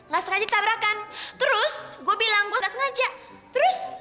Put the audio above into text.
gak sengaja ditabrakan terus gua bilang gak sengaja terus